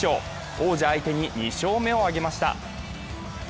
王者相手に２勝目を挙げました。